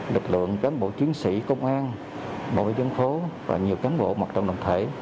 lực lượng cán bộ chiến sĩ công an bảo vệ dân phố và nhiều cán bộ mặt trọng đoàn thể